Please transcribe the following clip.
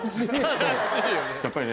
やっぱりね。